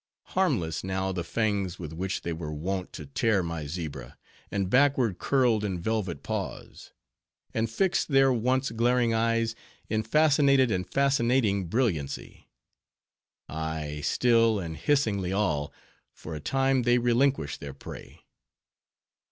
Harmless now the fangs with which they were wont to tear my zebra, and backward curled in velvet paws; and fixed their once glaring eyes in fascinated and fascinating brilliancy. Ay, still and hissingly all, for a time, they relinquished their prey.